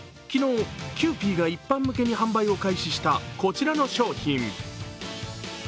昨日、キユーピーが一般向けに販売を開始したこちらの商品。